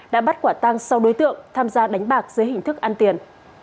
đã bắt quả tang sau đối tượng tham gia đánh bạc dưới hình thức ăn tiền